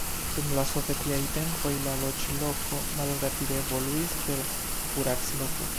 Dum la sovetiaj tempoj la loĝloko malrapide evoluis kiel kurac-loko.